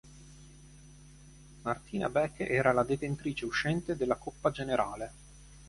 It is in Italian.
Martina Beck era la detentrice uscente della Coppa generale.